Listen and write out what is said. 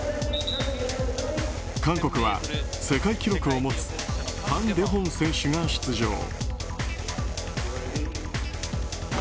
韓国は世界記録を持つファン・デホン選手が出場。